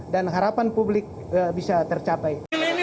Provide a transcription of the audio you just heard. dan harapan publik bisa tercapai